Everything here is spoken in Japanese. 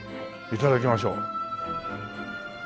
頂きましょう。